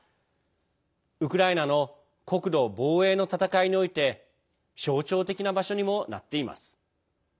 ウクライナの国土防衛の戦いにおいて象徴的な場所にもなっています。